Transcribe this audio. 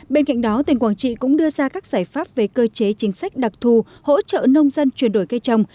bên cạnh đó tỉnh quảng trị cũng đưa ra các giải pháp về cơ chế chính sách đặc thù hỗ trợ nông dân chuyển đổi cây trồng